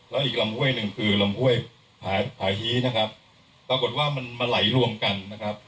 แล้วอีกลำห้วยหนึ่งคือลำห้วยผาผาฮีนะครับปรากฏว่ามันมาไหลรวมกันนะครับ